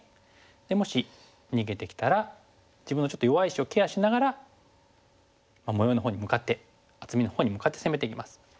でもし逃げてきたら自分のちょっと弱い石をケアしながら模様のほうに向かって厚みのほうに向かって攻めていきます。